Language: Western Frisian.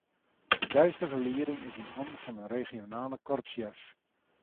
De deistige lieding is yn hannen fan de regionale korpssjef.